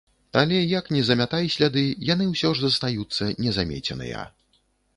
Але як не замятай сляды, яны ўсё ж застаюцца не замеценыя.